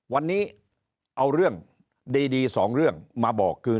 วันนี้เอาเรื่องดีสองเรื่องมาบอกคือ